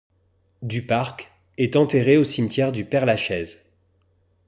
Duparc est enterré au cimetière du Père-Lachaise.